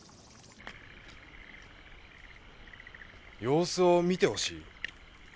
様子を見てほしい？